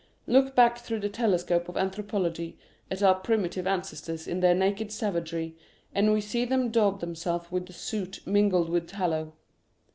B I Curiosities of Olden Times Look back through the telescope of anthropology at our primitive ancestors in their naked savagery, and we see them daub themselves with soot mingled with tallow.